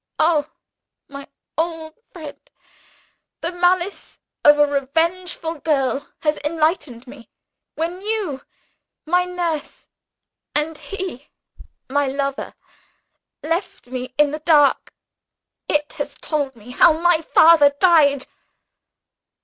Oh, my old friend, the malice of a revengeful girl has enlightened me, when you, my nurse and he, my lover left me in the dark: it has told me how my father died!"